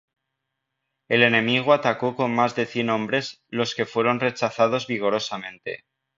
El enemigo atacó con más de cien hombres, los que fueron rechazados vigorosamente.